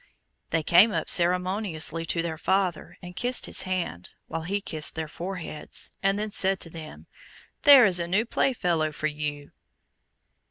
They came up ceremoniously to their father and kissed his hand, while he kissed their foreheads, and then said to them, "There is a new play fellow for you."